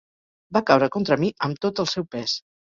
Va caure contra mi amb tot el seu pes.